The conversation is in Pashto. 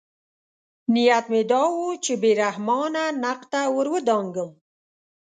نیت مې دا و چې بې رحمانه نقد ته ورودانګم.